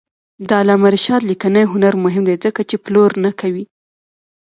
د علامه رشاد لیکنی هنر مهم دی ځکه چې پلور نه کوي.